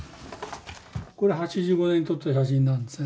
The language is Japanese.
これ８５年に撮った写真なんですね。